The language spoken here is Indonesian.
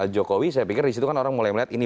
jokowi saya pikir disitu kan orang mulai melihat ini